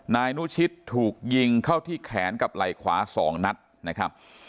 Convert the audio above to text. นายนุชิตถูกยิงเข้าที่แขนกับไหล่ขวา๒นัดนะครับ